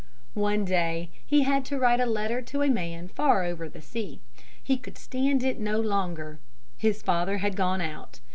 One day he had to write a letter to a man far over the sea. He could stand it no longer. His father had gone out.